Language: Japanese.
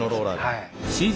はい。